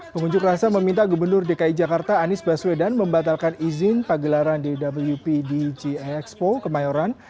pengunjuk rasa meminta gubernur dki jakarta anies baswedan membatalkan izin pagelaran dwp di gie expo kemayoran